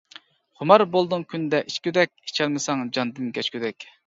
خۇمار بولدۇڭ كۈندە ئىچكۈدەك، ئىچەلمىسەڭ جاندىن كەچكۈدەك.